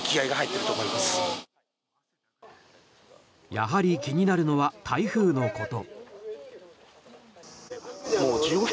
やはり気になるのは台風のこと。